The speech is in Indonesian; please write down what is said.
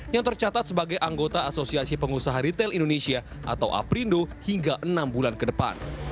yang tercatat sebagai anggota asosiasi pengusaha retail indonesia atau aprindo hingga enam bulan ke depan